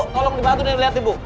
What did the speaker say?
tolong dibantu deh lihat ibu